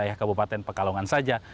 ya kabupaten pekalongan saja